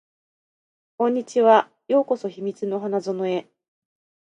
こんにちは。ようこそ秘密の花園へ